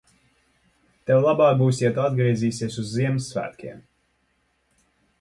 Tev labāk būs, ja tu atgriezīsies uz ziemassvētkiem!